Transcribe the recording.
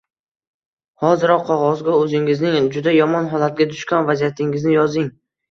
Hoziroq qog’ozga o’zingizning juda yomon holatga tushgan vaziyatingizni yozing